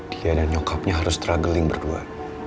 dia dan nyokapnya harus struggling berdua